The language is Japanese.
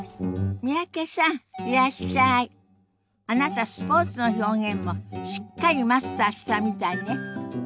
あなたスポーツの表現もしっかりマスターしたみたいね。